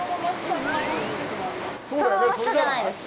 「そのまま下」じゃないです。